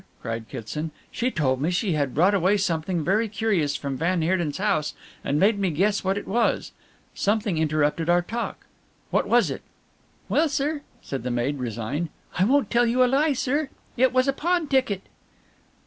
cried Kitson, "she told me she had brought away something very curious from van Heerden's house and made me guess what it was. Something interrupted our talk what was it?" "Well, sir," said the maid, resigned, "I won't tell you a lie, sir. It was a pawn ticket."